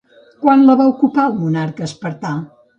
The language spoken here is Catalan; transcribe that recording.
Quan la va ocupar el monarca espartà?